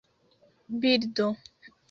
birdo